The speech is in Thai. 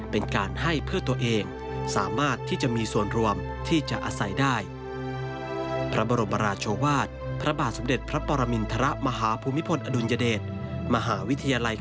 เป็นการให้เพื่อตัวเองสามารถที่จะมีส่วนรวมที่จะอาศัยได้